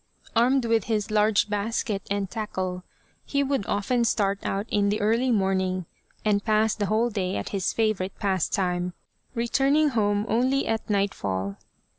Armed with his large basket and tackle, he would often start out in the early morning and pass the whole day at his favourite pastime, returning home only at nightfall.